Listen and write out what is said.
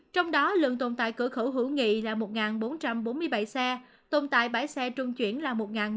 trong đó lượng tồn tại cửa khẩu hữu nghị là một bốn trăm bốn mươi bảy xe tồn tại bãi xe trung chuyển là một